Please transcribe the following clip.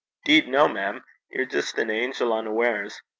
''Deed no, mem. Ye're jist an angel unawares.